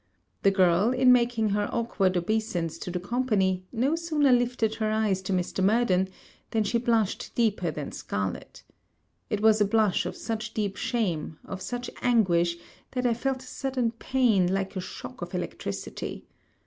The girl, in making her awkward obeisance to the company, no sooner lifted her eyes to Mr. Murden, than she blushed deeper than scarlet. It was a blush of such deep shame, of such anguish, that I felt a sudden pain like a shock of electricity.